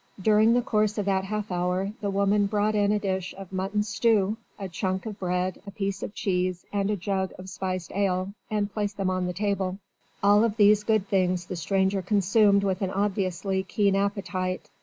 During the course of that half hour the woman brought in a dish of mutton stew, a chunk of bread, a piece of cheese and a jug of spiced ale, and placed them on the table: all of these good things the stranger consumed with an obviously keen appetite.